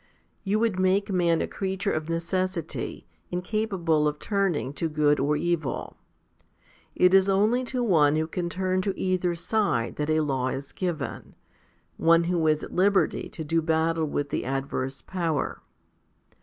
You would make man a creature of necessity, incapable of turn ing to good or evil. It is only to one who can turn to either side that a law is given one who is at liberty to do battle with the adverse power.